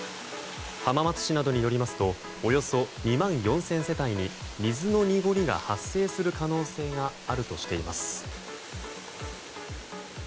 浜松市などによりますとおよそ２万４０００世帯に水の濁りが発生する可能性があるとしています。